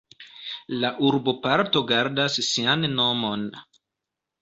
La urboparto gardas sian nomon.